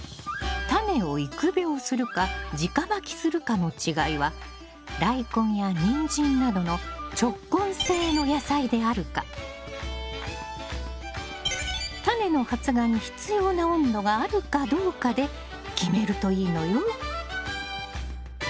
タネを育苗するか直まきするかの違いはダイコンやニンジンなどの直根性の野菜であるかタネの発芽に必要な温度があるかどうかで決めるといいのよ。